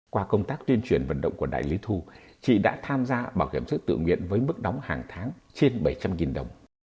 qua công tác tuyên truyền vận động của đại lý thu chị đã tham gia bảo hiểm sội tự nguyện với mức đóng hàng tháng trên bảy trăm linh đồng